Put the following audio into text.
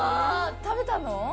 食べたの？